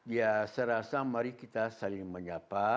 ya saya rasa mari kita saling menyapa